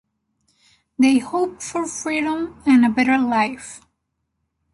They hoped for freedom and a better life.